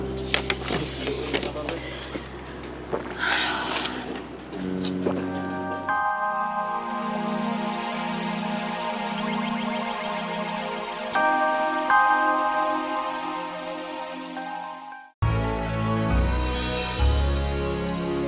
pleset kaca sempurna